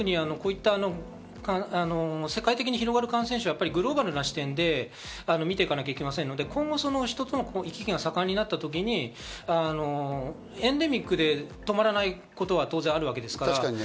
感染症、特に世界的に広がる感染症はグローバルな視点で見ていかなきゃいけないので、今後、人との行き来が盛んになった時にエンデミックで止まらないことは当然あるわけです。